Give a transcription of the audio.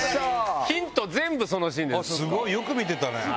すごい！よく見てたね。